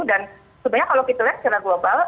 dan sebenarnya kalau kita lihat secara global